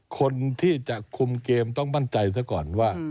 คนที่จะคุมเกมต้องมั่นใจซะก่อนว่า